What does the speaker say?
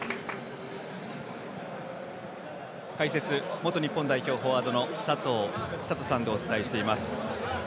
解説、元日本代表フォワードの佐藤寿人さんでお伝えしてます。